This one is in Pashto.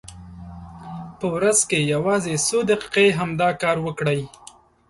په ورځ کې یوازې څو دقیقې همدا کار وکړئ.